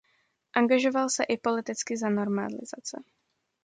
Angažoval se i politicky za normalizace.